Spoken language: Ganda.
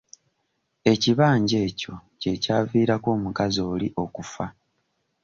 Ekibanja ekyo kye kyaviirako omukazi oli okufa.